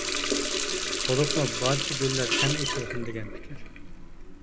بولۇپمۇ بارچە گۈللەر تەڭ ئېچىلسۇن دېگەن پىكىر.